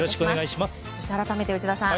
改めて、内田さん。